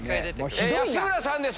安村さんです。